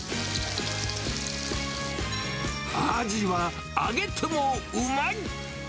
アジは揚げてもうまい。